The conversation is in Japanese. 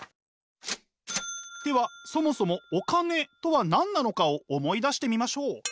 ではそもそもお金とは何なのかを思い出してみましょう。